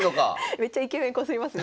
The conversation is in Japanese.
めっちゃイケメンこすりますね。